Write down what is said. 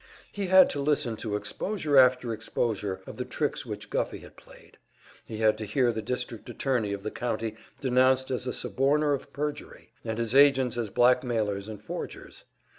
He had to listen to exposure after exposure of the tricks which Guffey had played; he had to hear the district attorney of the county denounced as a suborner of perjury, and his agents as blackmailers and forgers.